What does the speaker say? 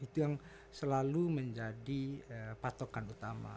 itu yang selalu menjadi patokan utama